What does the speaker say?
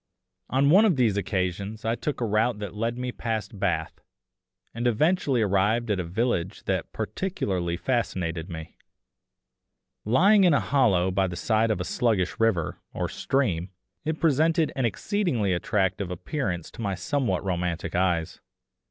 On one of these occasions I took a route that led me past Bath, and eventually arrived at a village that particularly fascinated me. Lying in a hollow by the side of a sluggish river, or stream, it presented an exceedingly attractive appearance to my somewhat romantic eyes.